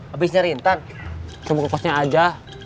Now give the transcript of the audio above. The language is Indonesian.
habis nyari intan cuma ke kosnya aja